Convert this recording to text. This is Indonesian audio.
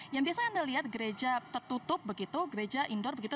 yang biasa anda lihat gereja tertutup begitu gereja indoor begitu